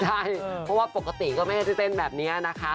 ใช่เพราะว่าปกติก็ไม่ได้เต้นแบบนี้นะคะ